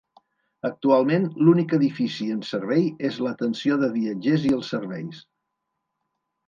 Actualment l'únic edifici en servei és l'atenció de viatgers i els serveis.